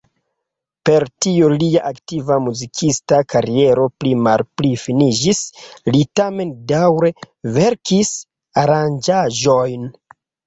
Per tio lia aktiva muzikista kariero pli malpli finiĝis; li tamen daŭre verkis aranĝaĵojn.